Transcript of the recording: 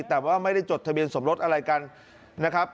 แต่ว่าไม่ได้จดทะเบียนสมรสอะไรกันนะครับ